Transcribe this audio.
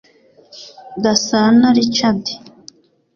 Gasana Ricahard